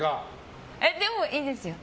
でも、いいですよ。